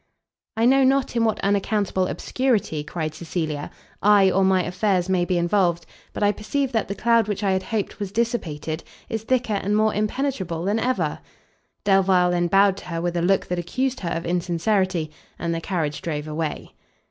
"I know not in what unaccountable obscurity," cried Cecilia, "I, or my affairs, may be involved, but I perceive that the cloud which I had hoped was dissipated, is thicker and more impenetrable than ever." Delvile then bowed to her with a look that accused her of insincerity, and the carriage drove away.